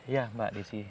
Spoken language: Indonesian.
ya mbak dissi